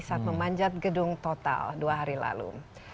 saat memanjat gedung total dua hari lalu